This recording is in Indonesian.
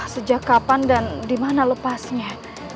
sejak kapan dan di mana lepasnya